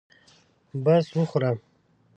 بس وخوره.